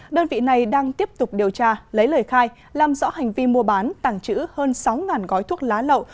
đơn vị này đang tiếp tục điều tra lấy lời khai làm rõ hành vi mua bán tàng trữ hơn sáu gói thuốc lá lậu